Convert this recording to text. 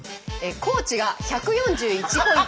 高知が１４１ポイント